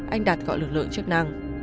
anh đạt gọi lực lượng chức năng